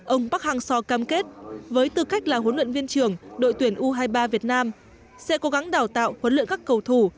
ông park hang seo cam kết với tư cách là huấn luyện viên trưởng đội tuyển u hai mươi ba việt nam sẽ cố gắng đào tạo huấn luyện các cầu thủ